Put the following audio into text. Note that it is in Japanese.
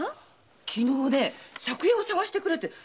昨日ね借家を探してくれって来たのよ。